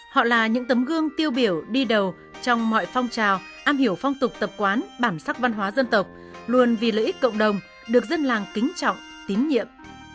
họ là những tấm gương tiêu biểu đi đầu trong mọi phong trào am hiểu phong tục tập quán bản sắc văn hóa dân tộc luôn vì lợi ích cộng đồng được dân làng kính trọng tín nhiệm